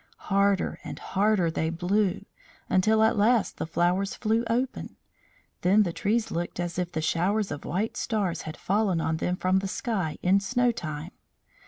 Harder and harder they blew, until at last the flowers flew open. Then the trees looked as if showers of white stars had fallen on them from the sky in snow time.